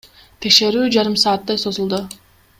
Текшерүү жарым сааттай созулду.